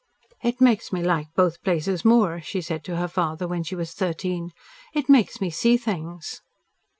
"It makes me like both places more," she said to her father when she was thirteen. "It makes me see things."